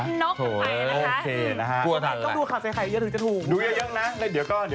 นกไปนะคะ